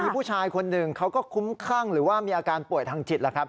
มีผู้ชายคนหนึ่งเขาก็คุ้มข้างหรือว่ามีอาการป่วยทางจิต